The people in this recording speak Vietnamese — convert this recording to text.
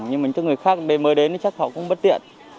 nhưng mà những người khác mới đến thì chắc họ cũng bất tiện